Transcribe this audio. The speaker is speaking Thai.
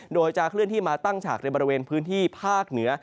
โดยจะเคลื่อนที่มาตั้งฉากในบริเวณพื้นที่ภาคเหนือ